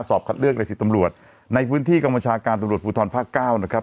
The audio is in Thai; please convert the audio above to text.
สอบคัดเลือกในสิบตำรวจในพื้นที่กรรมชาการตำรวจภูทรภาคเก้านะครับ